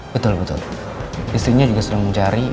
betul betul istrinya juga sedang mencari